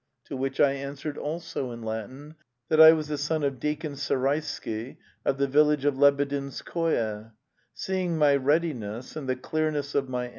'To which I answered, also in Latin, that I was the son of deacon Sireysky of the village of Lebedinskoe. Seeing my readiness and the clearness of my.